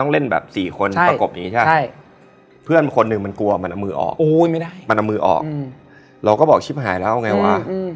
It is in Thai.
เราก็ว่าทิศหายแล้ววะ